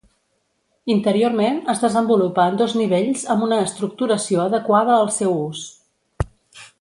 Interiorment es desenvolupa en dos nivells amb una estructuració adequada al seu ús.